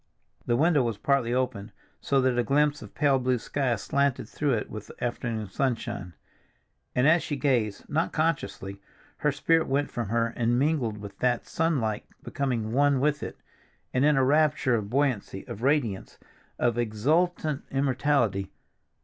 The window was partly open, so that a glimpse of pale blue sky slanted through it with the afternoon sunshine. And as she gazed, not consciously, her spirit went from her and mingled with that sunlight, becoming one with it, and in a rapture of buoyancy, of radiance, of exultant immortality.